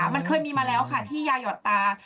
มันเคยมีมาแล้วค่ะที่ยาหยอดตา